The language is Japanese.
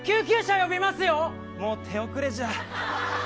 もう手遅れじゃ。